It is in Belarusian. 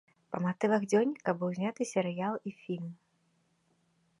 Па матывах дзённіка быў зняты серыял і фільм.